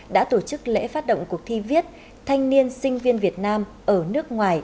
đã tổ chức lễ phát động cuộc thi viết thanh niên sinh viên việt nam ở nước ngoài